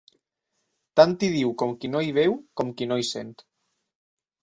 Tant hi diu qui no hi veu, com qui no hi sent.